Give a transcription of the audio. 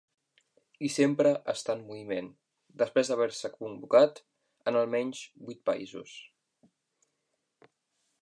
I sempre està en moviment, després d'haver-se convocat en almenys vuit països.